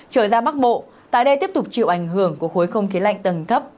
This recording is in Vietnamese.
trở ra bắc bộ tại đây tiếp tục chịu ảnh hưởng của khối không khí lạnh tầng thấp